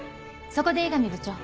そこで江上部長。